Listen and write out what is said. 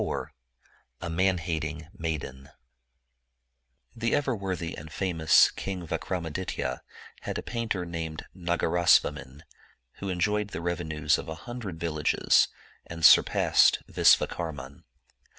ji Man hating Maiden From the Sanskrit HTHE ever worthy and famous King Vikramaditoya had a painter named Nagarasvamin, who enjoyed the reve nues of a hundred villages, and surpassed Visvakarman.